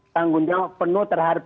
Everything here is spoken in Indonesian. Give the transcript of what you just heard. tanggung jawab penuh terhadap